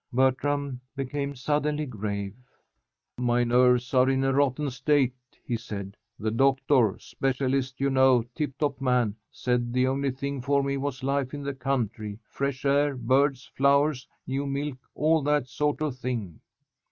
Bertram became suddenly grave. "My nerves are in a rotten state," he said. "The doctor specialist, you know, tip top man said the only thing for me was life in the country, fresh air, birds, flowers, new milk, all that sort of thing."